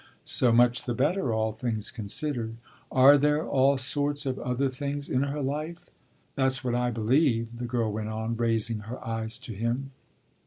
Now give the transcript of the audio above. "So much the better, all things considered." "Are there all sorts of other things in her life? That's what I believe," the girl went on, raising her eyes to him.